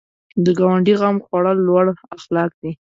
د ګاونډي غم خوړل لوړ اخلاق دي